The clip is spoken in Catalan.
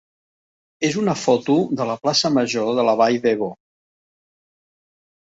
és una foto de la plaça major de la Vall d'Ebo.